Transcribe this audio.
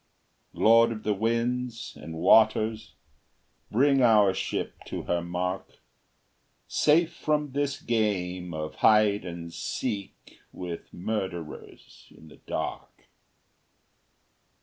Lord of the winds and waters, Bring our ship to her mark, Safe from this game of hide and seek With murderers in the dark!